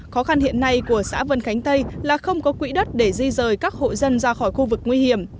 khó khăn hiện nay của xã vân khánh tây là không có quỹ đất để di rời các hộ dân ra khỏi khu vực nguy hiểm